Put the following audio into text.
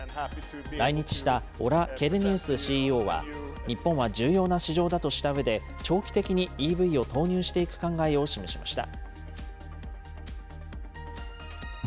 来日したオラ・ケレニウスＣＥＯは、日本は重要な市場だとしたうえで、長期的にＥＶを投入していく考えを示しました。